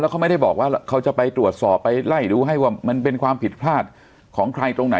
เขาไม่ได้บอกว่าเขาจะไปตรวจสอบไปไล่ดูให้ว่ามันเป็นความผิดพลาดของใครตรงไหน